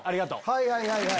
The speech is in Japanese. はいはいはいはい。